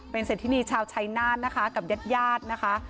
เป็นเศรษฐีนีชาวไชนาธิ์นะคะกับญาติญาตินะคะ